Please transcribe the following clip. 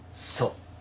そう。